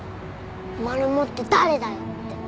マルモって誰だよって。